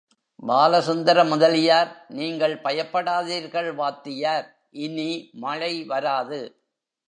பாலசுந்தர முதலியார் நீங்கள் பயப்படாதீர்கள் வாத்தியார், இனி மழை வராது.